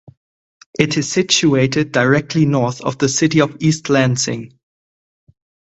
It is situated directly north of the city of East Lansing.